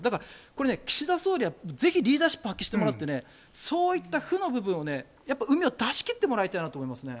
これね、岸田総理はぜひリーダーシップを発揮してもらって、そういった負の部分を、やっぱりうみを出し切ってもらいたいなと思いますね。